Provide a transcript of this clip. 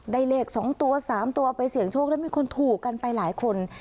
เลข๒ตัว๓ตัวไปเสี่ยงโชคแล้วมีคนถูกกันไปหลายคน